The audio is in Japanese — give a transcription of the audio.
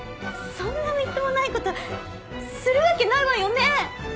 そんなみっともない事するわけないわよね？